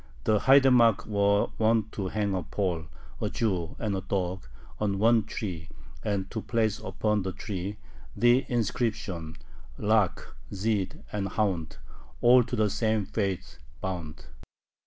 The haidamacks were wont to hang a Pole, a Jew, and a dog, on one tree, and to place upon the tree the inscription: "Lakh, Zhyd, and hound all to the same faith bound."